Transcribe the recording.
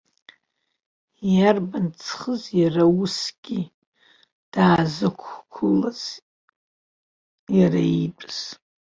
Иарбан ҵхыз иара усгьы даазқәылаз иара иитәыз!